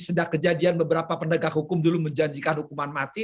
sedang kejadian beberapa pendegah hukum dulu menjanjikan hukuman mati